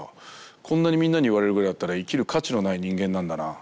こんなにみんなに言われるぐらいだったら生きる価値のない人間なんだな。